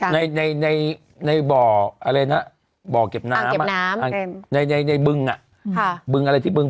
ในบ่าเก็บน้ำในบึง